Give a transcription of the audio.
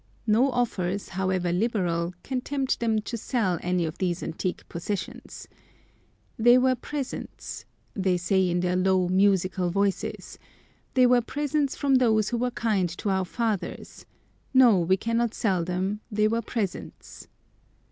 No offers, however liberal, can tempt them to sell any of these antique possessions. "They were presents," they say in their low, musical voices; "they were presents from those who were kind to our fathers; no, we cannot sell them; they were presents."